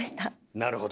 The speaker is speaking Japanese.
なるほど。